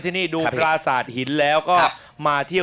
เฮ่น้องช้างแต่ละเชือกเนี่ย